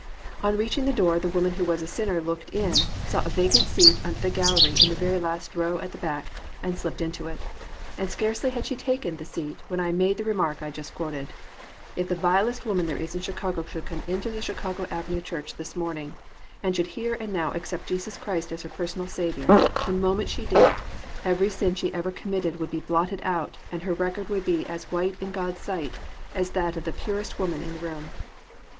On reaching the door the woman who was a sinner looked in, saw a vacant seat under the gallery in the very last row at the back, and slipped into it, and scarcely had she taken the seat when I made the remark that I just quoted, "If the vilest woman there is in Chicago should come into the Chicago Avenue church this morning and should here and now accept Jesus Christ as her personal Saviour, the moment she did it every sin she ever committed would be blotted out and her record would be as white in God's sight as that of the purest woman in the room."